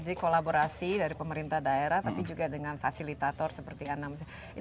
jadi kolaborasi dari pemerintah daerah tapi juga dengan fasilitator seperti anambas